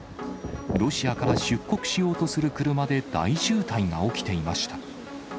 ロシアから出国しようとする車で大渋滞が起きていました。